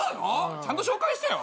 ちゃんと紹介してよ。